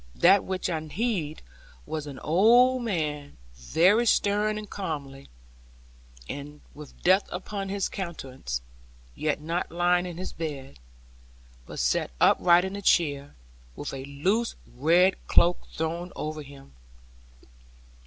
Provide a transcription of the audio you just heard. That which I heeded was an old man, very stern and comely, with death upon his countenance; yet not lying in his bed, but set upright in a chair, with a loose red cloak thrown over him.